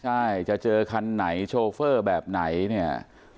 ใช่จะเจอคันไหนโชเฟอร์แบบไหนเนี่ย